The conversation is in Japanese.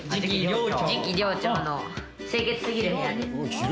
次期寮長の清潔すぎる部屋です。